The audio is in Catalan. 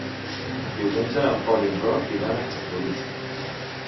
Diumenge en Pol i en Roc iran a Castellolí.